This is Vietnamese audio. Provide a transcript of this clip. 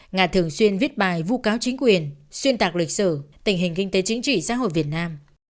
nga thường xuyên viết bài vu cáo chính quyền xuyên tạc lịch sử tình hình kinh tế chính trị xã hội việt nam